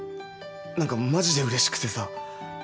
何かマジでうれしくてさ。